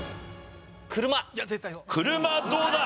車どうだ？